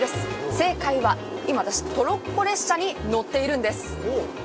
正解は、今私、トロッコ列車に乗っているんです。